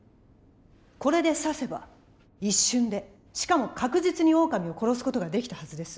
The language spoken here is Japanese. これで刺せば一瞬でしかも確実にオオカミを殺す事ができたはずです。